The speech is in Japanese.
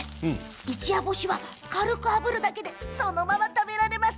一夜干しは軽くあぶるだけでそのまま食べられます。